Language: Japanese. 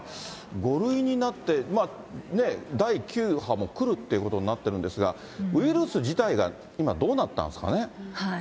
５類になって、まあね、第９波も来るっていうことになってるんですが、ウイルス自体が今、どうなったんですかね。